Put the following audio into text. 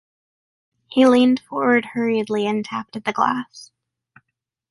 He leaned forward hurriedly and tapped at the glass.